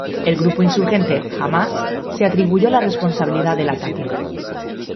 El grupo insurgente Hamás se atribuyó la responsabilidad del ataque.